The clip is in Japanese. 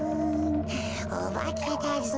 おばけだぞ。